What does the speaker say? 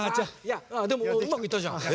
でもうまくいったじゃん。